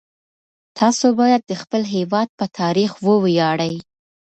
تاسو باید د خپل هیواد په تاریخ وویاړئ.